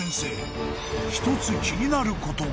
［１つ気になることが］